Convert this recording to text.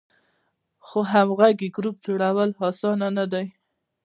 خو همغږی ګروپ جوړول آسانه نه ده.